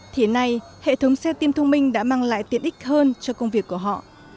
thì nay hệ thống xe tim thông minh đã mang lại tiện ích hơn cho công việc của họ